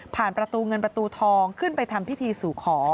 ประตูเงินประตูทองขึ้นไปทำพิธีสู่ขอ